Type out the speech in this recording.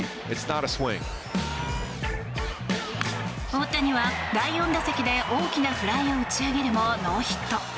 大谷は第４打席で大きなフライを打ち上げるもノーヒット。